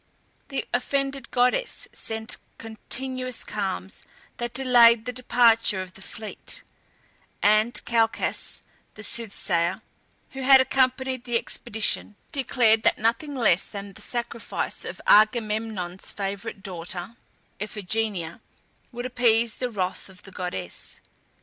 The offended goddess sent continuous calms that delayed the departure of the fleet, and Calchas, the soothsayer, who had accompanied the expedition, declared that nothing less than the sacrifice of Agamemnon's favorite daughter, Iphigenia, would appease the wrath of the goddess.